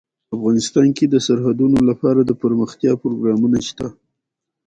افغانستان کې د سرحدونه لپاره دپرمختیا پروګرامونه شته.